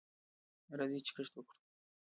راځئ چې کښت وکړو.